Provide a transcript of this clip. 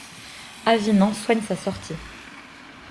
Avinain soigne sa sortie.